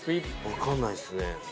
分かんないっすね。